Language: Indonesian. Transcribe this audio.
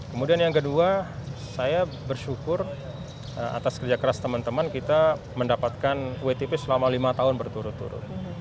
kemudian yang kedua saya bersyukur atas kerja keras teman teman kita mendapatkan wtp selama lima tahun berturut turut